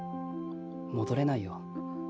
戻れないよ。